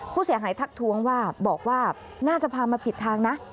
ผู้เสียหายทักทวงว่าบอกว่าน่าจะพามาผิดทางนะ